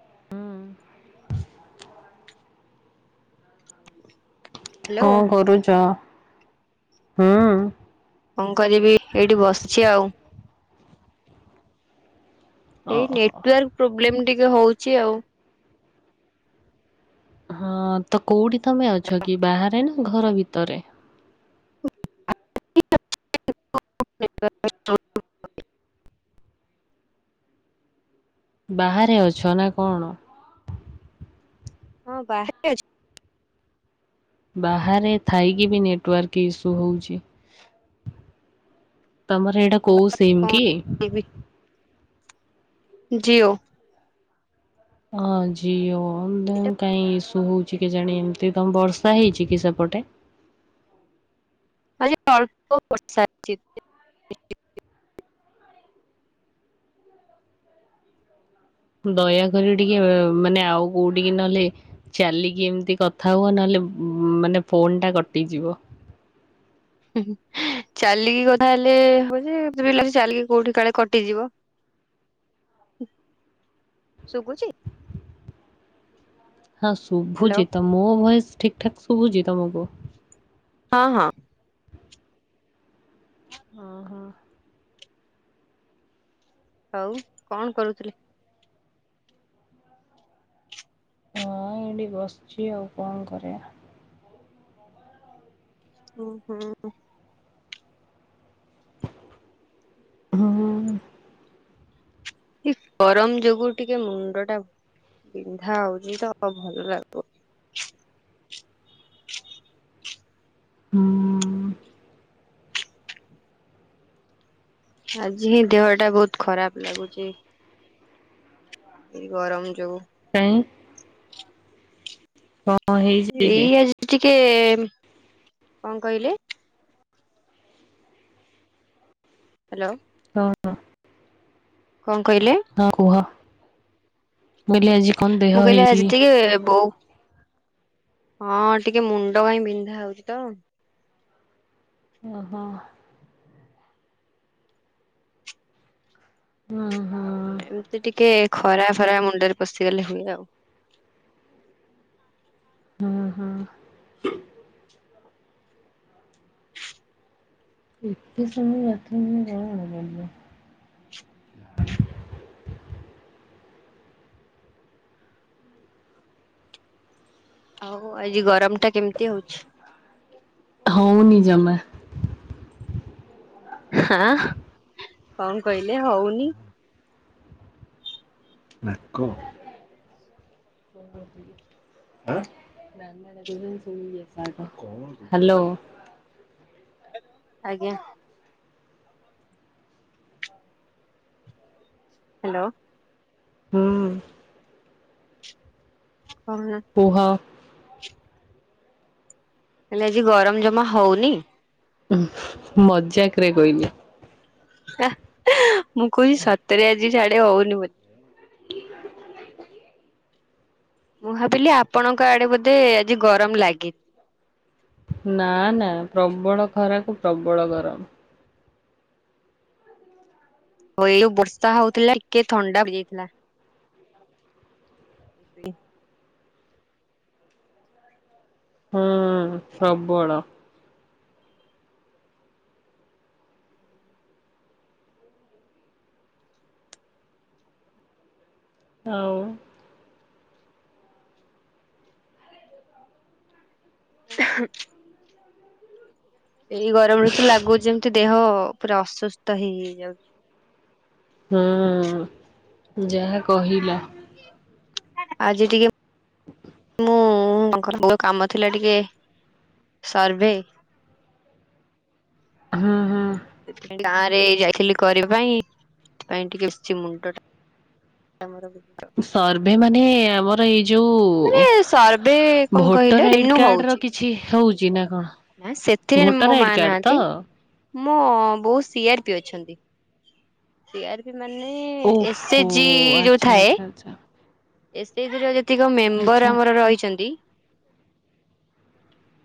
ହୁଁ ହ୍ୟାଲୋ କଣ କରୁଛ ହୁଁ କଣ କରିବି ଏଇଠି ବସିଛି ଆଉ ଏଇ ଓହୋ ନେଟୱାର୍କ ପ୍ରୋବ୍ଲେମ ଟିକେ ହଉଛି ଆଉ ହଁ ତ କେଉଁଠି ତମେ ଅଛ କି ବାହାରେ ନା ଘର ଭିତରେ [unintelligible] ବାହାରେ ଅଛ ନା କଣ? ହଁ ବାହାରେ ଅଛି ବାହାରେ ଥାଇକି ବି ନେଟୱାର୍କ ଇସ୍ୟୁ ହଉଛି। ତମର ଏଇଟା କୋଉ ସିମ କଣ କି? ଜିଓ ହଁ ଜିଓ କାଇହିଁ ଇସୁ ହଉଛି କେଜାଣି ଏମତି ତମ ବର୍ଷା ହେଇଛି କି ସେପଟେ ଆଜି ଅଳ୍ପ ବର୍ଷା ହେଇଛି। ଦୟାକରି ଟିକେ ମାନେ ଆଉ କୋଉଠିକି ନହେଲେ ଚାଲିକି ଏମିତି କଥା ହୁଅ ନହେଲେ ମାନେ ଫୋନ୍ଟା କଟିଯିବ ଚାଲିକି ଗଲା ହେଲେ ହବ ଯେ ମତେବି ଲାଗୁଚି ଚାଲିକି କୋଉଠି କାଳେ କଟିଯିବ ଶୁବୁଛି। ହଁ ହ୍ୟାଲୋ ଶୁଭୁଛିତ ମୋ ଭୟସ ଠିକ ଠାକ ଶୁଭୁଛି ତମକୁ। ହଁ ହଁ। ଓ ହୋ। ଆଉ କଣ କରୁଥିଲେ? ହଁ ଏଇଠି ବସିଛି ଆଉ କଣ କରିବା। [unintelligible] ହଁ। କି ଗରମ ଯୋଗୁ ଟିକେ ମୁଣ୍ଡ ଟା ବିନ୍ଧା ହଉଛି ତ ଭଲ ଲାଗୁନି। ହୁଁ। ଆଜି ହିଁ ଦେହ ଟା ବହୁତ ଖରାପ ଲାଗୁଛି। ଗରମ ଯୋଗୁ କାଇଁ? କଣ ହେଇଛି କି ଏଇ ଆଜି ଟିକେ କଣ କହିଲେ? ହ୍ୟାଲୋ ହଁ ହଁ। କଣ କହିଲେ? ହଁ କୁହ ମୁଁ ବିଲ ଆଜି କଣ ଦେହ ହେଇଛି? ସେ ବଉ ହଁ ଟିକେ ମୁଣ୍ଡ କାଇଁ ବିନ୍ଧା ହଉଛି ତ ଓହୋ। ଅହଁ। ଏମିତି ଟିକେ ଖରା ଫରା ମୁଣ୍ଡରେ ପଶିଗଲେ ହୁଏ ଆଉ। ହୁଁ ହୁଁ। ଏତେ ସମୟ ବାଥ୍ ରୁମ୍ [unintelligible] ଆଉ ଆଜି ଗରମ ଟା କେମିତି ହଉଛି? ହଉନି ଜମା। ହାଁ କଣ କହିଲେ ହଉନି? ନାକ ଆଁ। କଣ ହ୍ୟାଲୋ। ଆଜ୍ଞା। ହ୍ୟାଲୋ। ହୁଁ। ହଉ [unintelligible] କୁହ? ହେଲେ ଆଜି ଗରମ ଜମା ହଉନି? ହୁ ମଜାକ ରେ କହିଲି। ଏ ମୁଁ କହୁଛି ସତରେ ଆଜିିସିଆଡେ ହଉନି ବୋଲି। ହ [unintelligible] ମୁଁ ଭାବିଲି ଆପଣଙ୍କ ଆଡେ ବୋଧେ ଆଜି ଗରମ ଲାଗି ନା ନା ପ୍ରବଳ ଖରାକୁ ପ୍ରବଳ ଗରମ। ହଉଲ ବର୍ଷା ହଉଥିଲା ଟିକେ ଥଣ୍ଡା ହେଇଯାଇଥିଲା। ଏଇ ହୁଁ ପ୍ରବଳ ଆଉ ହଉ। [unintelligible] ଏଇ ଗରମରେ ଲାଗୁଛି ଯେମିତି ଦେହ ପୁରା ଅସୁସ୍ଥ ହେଇ ହେଇଯାଉଛି। ହୁଁ ଯାହା କହିଲ। ଆଜି ଟିକେ ମୁଁ [unintelligible] କାମ ଥିଲା ଟିକେ ସର୍ଭେ। ହୁଁ ହୁଁ। ଗାଁ ରେ ଯାଇଥିଲି କରିବା ପାଇଁ ସେଥି ପାଇଁ ଟିକେ ବଛି ମୁଣ୍ଡ ଟା। ମୋର ସର୍ଭେ ମାନେ ଆମର ଏଇ ଯୋଉ ମାନେ ସର୍ଭେ କଣ କହିଲେ ଭୋଟର ଆଇଡି ରେନୁ କାର୍ଡର ହଉଛି କିଛି ହଉଛି ନା କଣ? ନା ସେଥିରେ ଭୋଟର ମୋ ମା ଆଇଡି କାର୍ଡ ତ? ନାହାନ୍ତି ମୁଁ ବହୁତ ସିଆର ପି ଅଛନ୍ତି। ସି ଆର୍ ପି ମାନେ ଏ ସ୍ ଓହୋ ଏ ଚ୍ ଜି ଯୋଉ ଆଚ୍ଛା ଥାଏ। ଆଚ୍ଛା ଆଚ୍ଛା। ଏ ସ୍ ଏ ଚ୍ ଜି ର ଯେତିକ ମେମ୍ବର ଆଚ୍ଛା ଆମର ରହିଛନ୍ତି।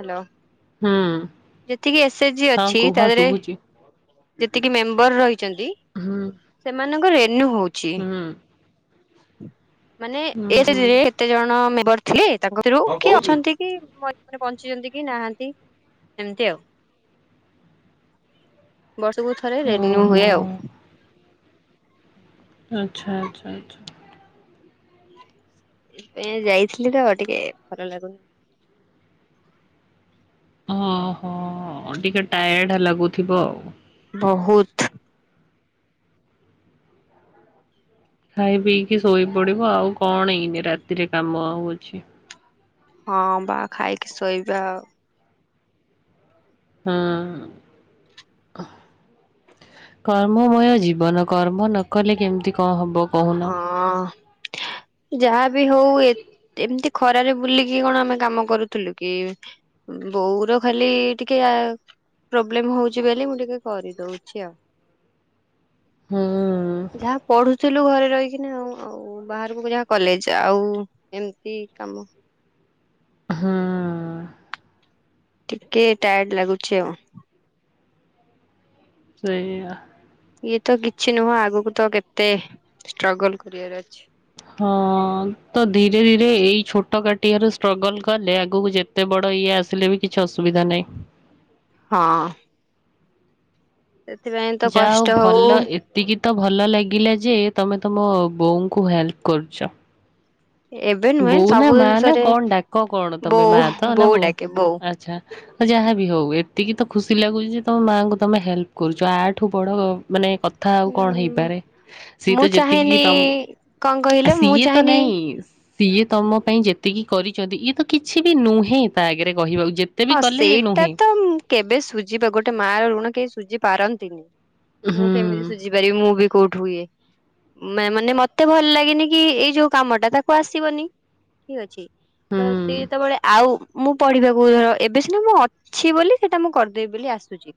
ହ୍ୟାଲୋ ହୁଁ ଯେତିକି ଏ ସ୍ ଏ ଚ୍ ଜି ହଁ ଅଛି କୁହ ତା ଦେହରେ। ଶୁଭୁଛି ଯେତିକି ମେମ୍ବର ରହିଛନ୍ତି। ହୁଁ ସେମାନଙ୍କ ରେନୁ ହଉଛି ହୁଁ। ମାନେ ହୁଁ ଏଶ ହୁଁ ଚିରେ। କେତେ ଜଣ ମେମ୍ବର ଥିଲେ ତାଙ୍କରୁ କି ଅଛନ୍ତି କି ମରି ମାନେ ବଞ୍ଚିଛନ୍ତି କି ନାହାନ୍ତି ସେମିତି ଆଉ। ବର୍ଷକୁ ଥରେ ରରେନ୍ୟିୁ ଓହୋ ହୁଏ ଆଉ। ହୁଁ [unintelligible] ଆଚ୍ଛା ଆଚ୍ଛା ଆଚ୍ଛା। ଏ ଯାଇଥିଲି ତ ଟିକେ ଭଲ ଲାଗୁନି। ଓହୋ ଟିକେ ଟାୟାର୍ଡ ଲାଗୁଥିବ ଆଉ। ବହୁତ୍। ଖାଇ ପିଇକି ଶୋଇ ପଡିବ ଆଉ କଣ ଏଇନି ରାତିରେ କାମ ଆଉ ଅଛି। ହଁ ବାହା ଖାଇକି ଶୋଇବା ଆଉ। ହଁ ହ। କର୍ମମୟ ଜୀବନ କର୍ମ ନ କଲେ କେମିତି କଣ ହବ କହୁନ। ଆଉ ଯାହାବି ହଉ ଏ ଏମିତି ଖରାରେ ବୁଲିକି କଣ ଆମେ କାମ କରୁଥିଲୁ କି ବଉର ଖାଲି ଟିକେ ଆ ପ୍ରୋବ୍ଲେମ ହଉଛି ବୋଲି ମୁଁ ଟିକେ କରିଦଉଛି ଆଉ। ହୁଁ ଯାହା ପଢୁଥିଲୁ ଘରେ ରହିକିନା ଆଉ ଆଉ ବାହାରକୁ ଯାହା କଲେଜ ଯାଆଆଉଏମିତି କାମ ହଁ। ଟିକେ ଟାୟାର୍ଡ ଲାଗୁଚି ଆଉ ସେଇଆ। ଇଏ ତ କିଛି ନୁହଁ ଆଗକୁ ତ କେତେ ଷ୍ଟ୍ରଗଲ କରିବାର ଅଛି। ହଁ ତ ଧୀରେ ଧୀରେ ଏଇ ଛୋଟ କାଟିଆ ର ଷ୍ଟ୍ରଗଲ କଲେ ଆଗକୁ ଯେ ଏତେ ବଡ ଇଏ ଆସିଲେ ବି କିଛି ଅସୁବିଧା ନାହିଁ। ହଁ। ସେଥିପାଇଁ ତ ଯା ହଉ କଷ୍ଟ ଭଲ ଏ ଏତିକି ତ ଭଲ ଲାଗିଲା ଯେ ତମେ ତମ ବୋଉଙ୍କୁ ହେଲ୍ପ କରୁଛ। ଏବେ ନୁହେଁ ବୋଉ ନା ସବୁ ମା ନା ଜିନିଷରେ କଣ ଡାକ କଣ ତମେ ମା ତ ନା ବୋଉ ଆଚ୍ଛା। ଯାହାବି ହଉ ଏତିକି ତ ଖୁସି ଲାଗୁଛି ଯେ ତମ ମାଆଙ୍କୁ ତମେ ହେଲ୍ପ କରୁଛ ଆଠୁ ବଡ ମାନେ କଥା କଥା ଆଉ କଣ ହୁଁ ହେଇପାରେ ସିଏ ତ ମୁଁ ଯେତିକି ଚାହେଁନି ତମ କଣ କହିଲେ ମୁଁ ସିଏ ତ ଚାହେଁନି ନାଇଁ ସିଏ ତମ ପାଇଁ ଯେତିକି କରିଛନ୍ତି ଇଏ ତ କିଛି ବି ନୁହେଁ ତା ଆଗରେ କହିବା ହଁ ସେଇଟା ତ ମୁଁ କେବେ ସୁଝିବା ଗୋଟେ ମା ର ଋଣ କେହି ସୁଝି ପାରନ୍ତିନି ମୁଁ ହୁଁ କେମିତି ସୁୁଝି ପାରିବି ମୁଁ ବି କୋଉଠୁ ଇଏ। ମାନେ ମତେ ଭଲ ଲାଗିନି କି ଏଇ ଯୋଉ କାମ ଟା ତାକୁ ଆସିବନି ଠିକ୍ ଅଛି। ହୁଁ ତ ସିଏ ଯେତେବେଳେ ଆଉ ମୁଁ ପଢିବାକୁ ଧର ଏବେ ସିନା ମୁଁ ଅଛି ବୋଲି ସେଇଟା ମୁଁ କରିଦେବି ବୋଲି ଆସୁଛି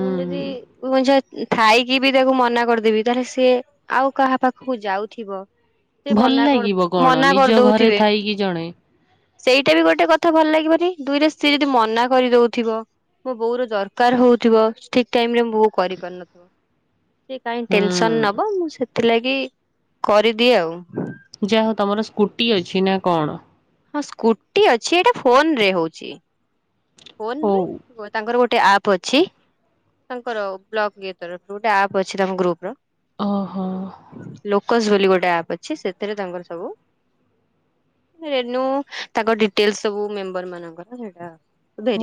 ମୁଁ ଯଦି କ ଥାଇକି ବି ତାକୁ ମନା କରିଦେବି ତାହେଲେ ସିଏ ଆଉ କାହା ପାଖକୁ ଯାଉଥିବ। ସେ ଭଲ ମନା କରି ଲାଗିବ କଣ ମନା ନିଜ ଘରେ କରିଦଉଥିବେ। ଥାଇକି ଜଣେ ସେଇଟା ବି ଗୋଟେ କଥା ଭଲ ଲାଗିବନି ଦୁଇରେ ସେଯଦି ମନା କରିଦଉଥିବ ମୋ ବୋଉ ର ଦରକାର ହଉଥିବ ଠିକ୍ ଟାଇମ ରେ ମୋ ବୋଉ କରିପାରୁନଥିବ। ସେ କହିଁ ଟେନସନ ନବ ହୁଁ ମୁଁ ସେଥିଲାଗି କରିଦିଏ ଆଉ। ଯାହ ତମର ସ୍କୁଟି ଅଛି ନା କଣ? ହଁ ସ୍କୁଟି ଅଛି ଏଇଟା ଫୋନରେ ହଉଛି ଫୋନରେ ହଉ ବ ତାଙ୍କର ଗୋଟେ ଆପ୍ ଅଛି ତାଙ୍କର ବ୍ଲଗ ଇଏ ତରଫରୁ ଗୋଟେ ଆପ୍ ଅଛି ତାଙ୍କ ଗ୍ରୁପ ର ଓହୋ। ଲୋକସ ବୋଲି ଗୋଟେ ଆପ ଅଛି ସେଥିରେ ତାଙ୍କର ସବୁ ରେନୁ ତାଙ୍କ ଡିଟେଲ ସବୁ ମେମ୍ବର ମାନଙ୍କର ସେଇଟା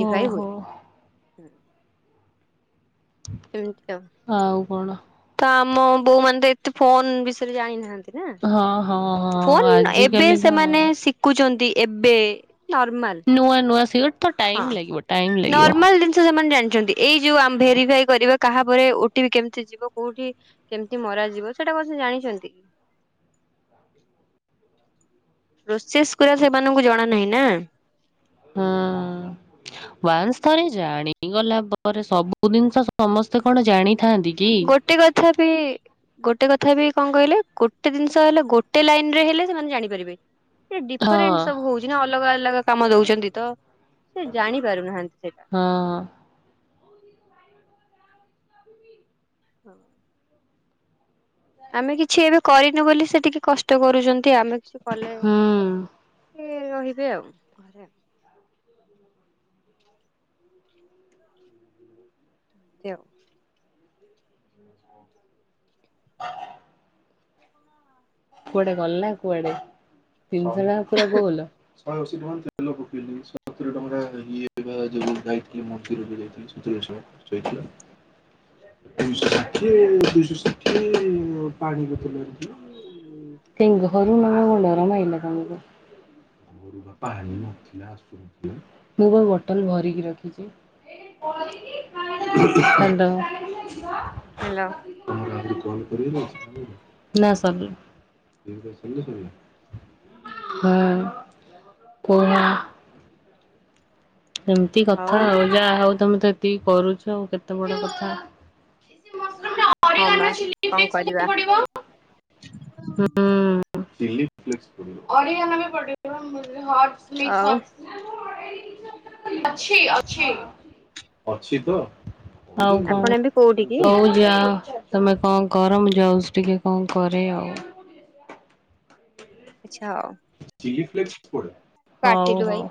ଓ ହୁଏ। ହୋ। ଏମତି ଆଉ ଆଉ କଣ? ତ ଆମ ବୋଉ ମାନେ ତ ଏତେ ଫୋନ୍ ବିଷୟରେ ହଁ ହଁ ଜାଣିନାହାନ୍ତି। ହଁ ଫୋନ୍ ଏବେ ଆଜିକାଲିକା ସେମାନେ ଶି ଶିକୁଚନ୍ତି ଏବେ ନର୍ମାଲ୍। ନୂଆ ନୂଆ ଶିକୁଚନ୍ତି ତ ଟାଇମ୍ ଲାଗିବ ଟାଇମ୍ ଲାଗିବ। ନର୍ମାଲ ଜିନିଷ ସେମାନେ ଜାଣିଚନ୍ତି ଏଇ ଯଉ ଆମ୍ ଭେରିଫାଇ କରିବା କାହାପରେ ଓଟିପି କେମିତି ଯିବ କଉଠି କେମିତି ମରାଯିବ ସେଇଟା କଣ ସିଏ ଜାଣିଚନ୍ତି କି। ପ୍ରୋସେସ୍ ଗୁଡା ସେମାନଙ୍କୁ ଜଣା ନାହିଁ ନା। ହଁ। ୱାନ୍ସ୍ ଥରେ ଜାଣିଗଲା ପରେ ସବୁ ଜିନିଷ ସମସ୍ତେ କଣ ଜାଣିଥାନ୍ତି। କି? ଗୋଟେ କଥା ବି ଗୋଟେ କଥା ବି କଣ କହିଲେ ଗୋଟେ ଜିନିଷ ହେଲା ଗୋଟେ ଲାଇନ୍ ରେ ହେଲେ ସେମାନେ ଜାଣି ପାରିବେ। ସେ ହଁ ଡିଫରେଣ୍ଟ୍ ସବୁ ହଉଚି ନା ଅଲଗା ଅଲଗା କାମ ଦଉଚନ୍ତି ତ। ସେ ଜାଣି ପାରୁନାହାନ୍ତି ସେଟା। ହଁ। ହଁ। ଆମେ କିଛି ଏବେ କରିନୁ ବୋଲି ସେ ଟିକେ କଷ୍ଟ କରୁଚନ୍ତି ଆମେ କିଛି କଲେ ହୁଁ ଇଏ ରହିବେ ଆଉ ଘରେ ଆଉ। ତି ଆଉ। ଛ ହ କୁଆଡେ ଗଲା କୁଆଡେ ତିନିଶ ଟଙ୍କା ପୁରା ଗୋଲ। [unintelligible] [inaudible] [inaudible] [inaudible] [inaudible] ହାଲୋ। ହାଲୋ। [inaudible] [inaudible] ଏମିତି ହଉ କଥା ଆଉ ଯାହା ହଉ ତମେ ତ ଏତିକି କରୁଚ ଆଉ କେତେ ବଡ କଥା। ହଁ ବା କଣ କରିବା। [inaudible] [inaudible] ଆଉ କଣ ଆଉ ହଉ ଯାଅ। ତମେ କଣ କର ମୁଁ ଆପଣ ଏବେ କୋଉଠି ଯାଉଚି କି ଟିକେ କଣ କରେ ଆଉ। ଆଚ୍ଛା ଆଉ। ହଉ କାଟିଲୁ ଭାଇ। -ହଉ।